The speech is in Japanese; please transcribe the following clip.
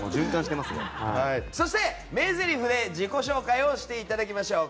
そして、名ぜりふで自己紹介をしていただきましょう。